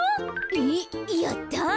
えっやった！